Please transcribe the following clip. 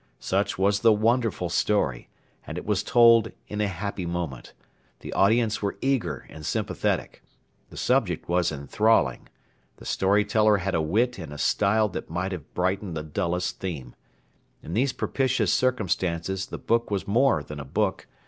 Such was the wonderful story, and it was told in a happy moment. The audience were eager and sympathetic. The subject was enthralling. The story teller had a wit and a style that might have brightened the dullest theme. In these propitious circumstances the book was more than a book.